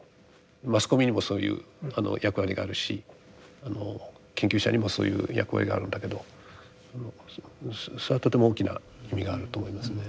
マスコミにもそういう役割があるし研究者にもそういう役割があるんだけどそれはとても大きな意味があると思いますね。